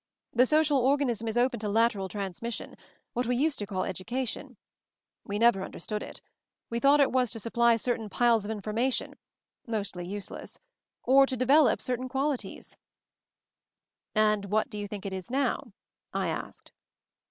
The social or ganism is open to lateral transmission — what we used to call education. We never understood it. We thought it was to sup ply certain piles of information, mostly use less; or to develop certain qualities." 170 MOVING THE MOUNTAIN "And what do you think it is now?" I asked.